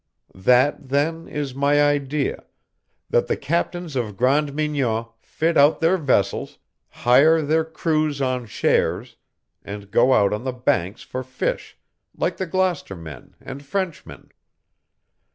"That, then, is my idea that the captains of Grande Mignon fit out their vessels, hire their crews on shares, and go out on the Banks for fish like the Gloucester men and Frenchmen.